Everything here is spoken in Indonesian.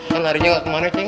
kan harinya gak kemana cing